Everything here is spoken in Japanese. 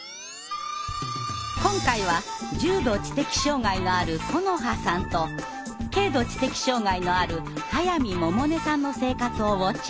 今回は重度知的障害のあるこのはさんと軽度知的障害のある速水萌々音さんの生活をウォッチング。